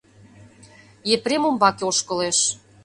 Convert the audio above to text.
Епрем умбаке ошкылеш.